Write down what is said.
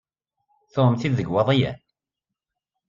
Tuɣem-t-id deg Iwaḍiyen?